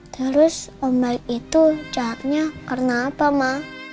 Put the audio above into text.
terus omel itu jahatnya karena apa ma